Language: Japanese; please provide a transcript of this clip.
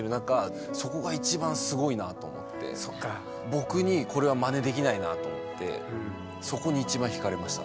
僕にこれはまねできないなと思ってそこに一番ひかれました。